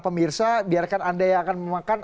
pemirsa biarkan anda yang akan memakan